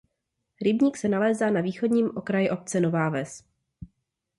Rybník se nalézá na východním okraji obce Nová Ves.